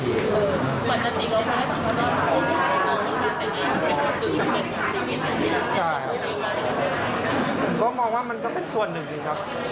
เพราะมองว่ามันต้องเป็นส่วนหนึ่งเลยครับ